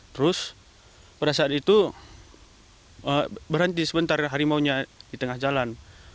terus pada saat itu berhenti sebentar harimaunya di tengah jalan